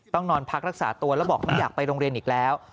ต้องนอนพักรักษาตัวแล้วบอกไม่อยากไปโรงเรียนอีกแล้ว